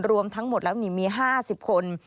รวมทั้งหมดแล้วมี๕๐คน